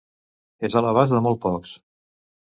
És a l’abast de molt pocs.